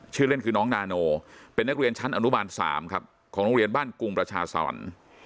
ชื่อเล่นคือน้องนาโนเป็นนักเรียนชั้นอนุบาล๓ครับของโรงเรียนบ้านกรุงประชาสรรค์